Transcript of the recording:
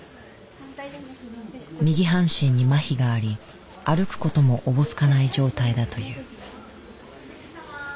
右半身にまひがあり歩く事もおぼつかない状態だという。